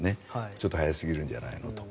ちょっと早すぎるんじゃないかと。